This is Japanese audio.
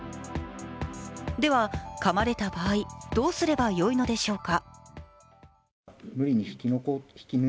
では、かまれた場合どうすればよいのでしょうか。